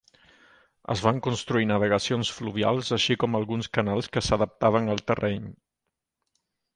Es van construir navegacions fluvials, així com alguns canals que d"adaptaven al terreny.